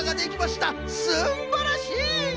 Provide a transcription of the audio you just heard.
すんばらしい！